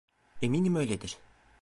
Eminim öyledir.